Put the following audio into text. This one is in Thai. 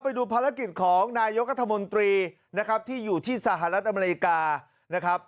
ไปดูภาระกิจของนายโยคกระทบมันตรีที่อยู่ที่สหรัฐอเมริกา